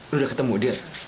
lu udah ketemu dia